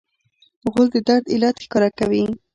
غول د درد علت ښکاره کوي.